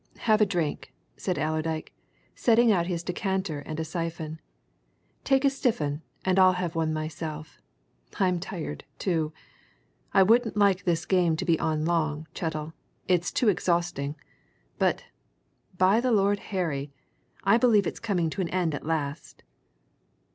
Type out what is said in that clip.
"Have a drink," said Allerdyke, setting out his decanter and a syphon. "Take a stiff 'un I'll have one myself. I'm tired, too. I wouldn't like this game to be on long, Chettle it's too exhausting. But, by the Lord Harry! I believe it's coming to an end at last!"